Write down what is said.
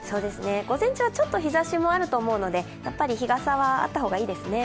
午前中はちょっと日ざしもあると思うので日傘はあった方がいいですね。